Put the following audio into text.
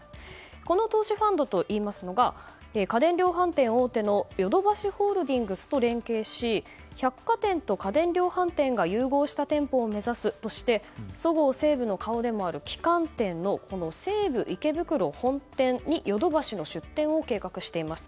この投資ファンドといいますのが家電量販店大手のヨドバシホールディングスと連携し百貨店と家電量販店が融合した店舗を目指すとしてそごう・西武の顔でもある旗艦店の西武池袋本店にヨドバシの出店を計画しています。